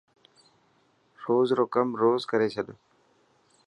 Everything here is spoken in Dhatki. روز رو ڪم روز ڪري ڇڏ.